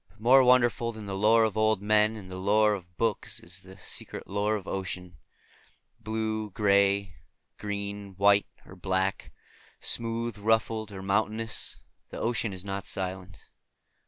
But more wonderful than the lore of old men and the lore of books is the secret lore of ocean. Blue, green, gray, white or black; smooth, ruffled, or mountainous; that ocean is not silent.